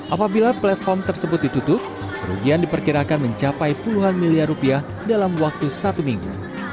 apabila platform tersebut ditutup kerugian diperkirakan mencapai puluhan miliar rupiah dalam waktu satu minggu